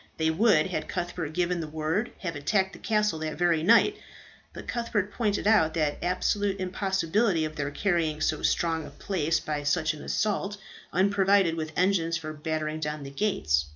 They would, had Cuthbert given the word, have attacked the castle that very night. But Cuthbert pointed out the absolute impossibility of their carrying so strong a place by such an assault, unprovided with engines for battering down the gates.